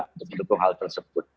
untuk mendukung hal tersebut